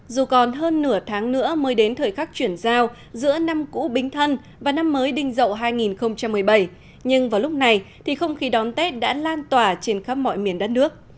dù còn hơn nửa tháng nữa mới đến thời khắc chuyển giao giữa năm cũ bính thân và năm mới đinh dậu hai nghìn một mươi bảy nhưng vào lúc này thì không khí đón tết đã lan tỏa trên khắp mọi miền đất nước